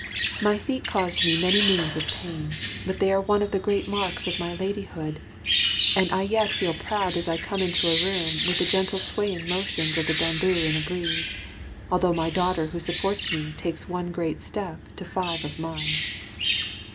My feet caused me many moons of pain, but they are one of the great marks of my lady hood, and I yet feel proud as I come into a room with the gentle swaying motions of the bamboo in a breeze; although my daughter who supports me takes one great step to five of mine.